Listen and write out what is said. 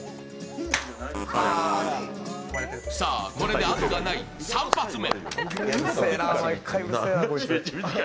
さあ、これであとがない３発目。